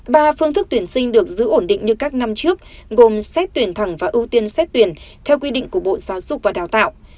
ba phương thức tuyển sinh được giữ ổn định như các năm trước gồm xét tuyển thẳng và ưu tiên xét tuyển theo quy định của bộ giáo dục và đào tạo